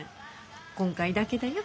今回だけだよ。